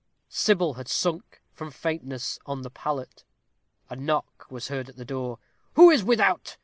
Sybil had sunk, from faintness, on the pallet. A knock was heard at the door. "Who is without?"